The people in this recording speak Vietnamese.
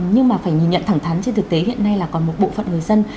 nhưng mà phải nhìn nhận thẳng thắn trên thực tế hiện nay là còn một bộ phận người dân